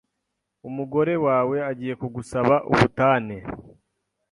Umugore wawe agiye kugusaba ubutane.